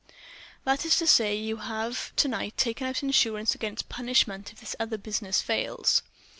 "That is to say, you have to night taken out insurance against punishment if this other business fails."